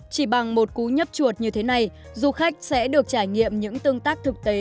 chỉ bằng một cú nhấp chuột như thế này du khách sẽ được trải nghiệm những tương tác thực tế